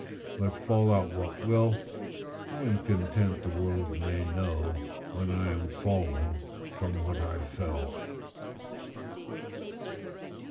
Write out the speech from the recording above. But fall out what will, I am content the world may know, when I am fallen, from what I fell.